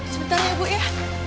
sebentar ya bu ya